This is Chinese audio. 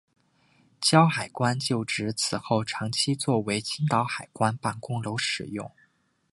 胶海关旧址此后长期作为青岛海关办公楼使用。